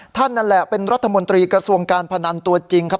นั่นแหละเป็นรัฐมนตรีกระทรวงการพนันตัวจริงครับ